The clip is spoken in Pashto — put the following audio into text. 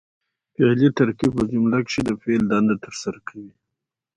فعلي ترکیب په جمله کښي د فعل دنده ترسره کوي.